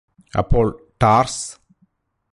അപ്പോൾ ടാര്സ്